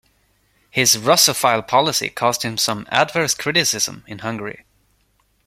His Russophile policy caused some adverse criticism in Hungary.